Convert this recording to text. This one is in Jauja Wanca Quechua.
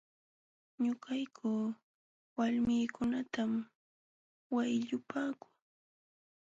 Ñuqayku walmiikunatam wayllupaaku.